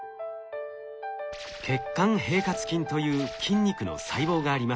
血管平滑筋という筋肉の細胞があります。